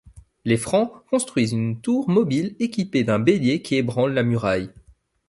Les Francs construisent une tour mobile équipée d’un bélier qui ébranle la muraille.